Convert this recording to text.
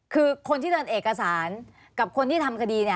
คือคนที่เดินเอกสารกับคนที่ทำคดีเนี่ย